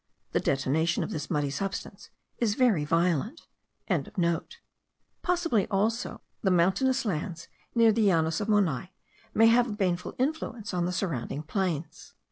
The detonation of this muddy substance is very violent.) Possibly, also, the mountainous lands, near the llanos of Monai, may have a baneful influence on the surrounding plains.